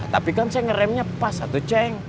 tapi kan saya ngeremnya pas satu ceng